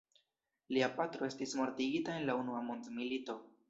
Lia patro estis mortigita en la unua mondmilito.